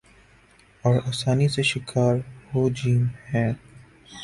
اور آسانی سے شکار ہو ج ہیں